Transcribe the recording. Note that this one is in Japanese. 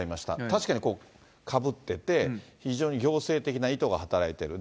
確かに、かぶってて、非常に行政的な意図が働いている。